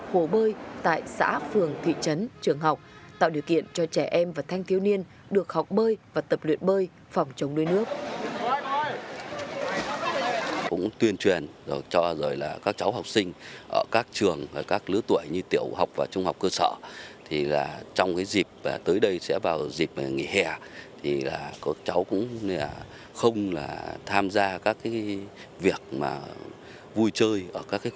hồ bơi tại xã phường thị trấn trường học tạo điều kiện cho trẻ em và thanh thiếu niên được học bơi và tập luyện bơi phòng chống đuối nước